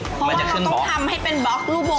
เพราะว่าเราต้องทำให้เป็นบล็อกรูปโบ